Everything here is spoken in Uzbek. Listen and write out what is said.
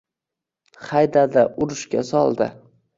Haydadi, urushga soldi.